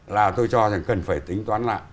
là tôi cho rằng cần phải tính toán lại